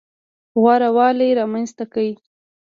غوره والی رامنځته کړي.